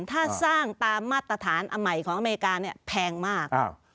ถ้าสร้างตามมาตรฐานอันใหม่ของอเมริกาเนี่ยแพงมาก